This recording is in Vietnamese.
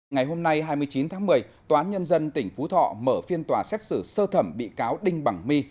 ngày hôm nay hai mươi chín tháng một mươi tòa án nhân dân tỉnh phú thọ mở phiên tòa xét xử sơ thẩm bị cáo đinh bằng my